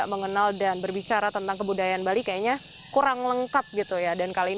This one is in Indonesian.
kepala kepala kepala